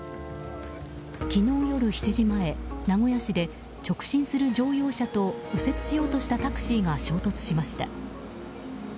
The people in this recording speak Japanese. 昨日夜７時前、名古屋市で直進する乗用車と右折しようとしたタクシーが衝突しました。